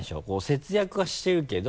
節約はしてるけど。